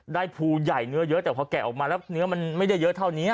ภูใหญ่เนื้อเยอะแต่พอแกะออกมาแล้วเนื้อมันไม่ได้เยอะเท่านี้